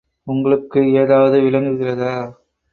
உங்களுக்கு ஏதாவது விளங்குகிறதா?